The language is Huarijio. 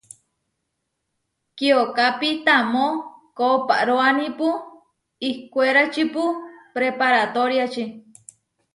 Kiokápi tamó kooparoánipu ihkwéračipu preparatoriači.